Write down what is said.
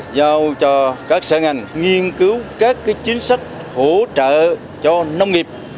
giao cho các sở ngành nghiên cứu các chính sách hỗ trợ cho nông nghiệp